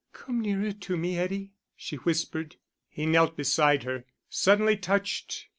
"Come nearer to me, Eddie," she whispered. He knelt beside her, suddenly touched.